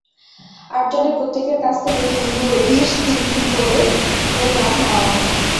আটজনের প্রত্যেকের কাছ থেকে দুই কবির তিনটি করে প্রিয় গান নেওয়া হয়।